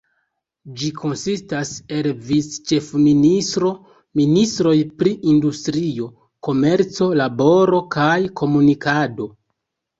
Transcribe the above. Ĝi konsistas el vic-ĉefministro, ministroj pri industrio, komerco, laboro kaj komunikado.